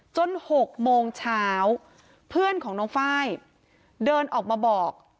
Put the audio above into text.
๖โมงเช้าเพื่อนของน้องไฟล์เดินออกมาบอก